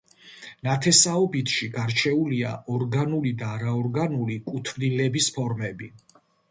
ნათესაობითში გარჩეულია ორგანული და არაორგანული კუთვნილების ფორმები.